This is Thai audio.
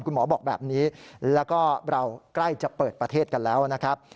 หมอบอกแบบนี้แล้วก็เราใกล้จะเปิดประเทศกันแล้วนะครับ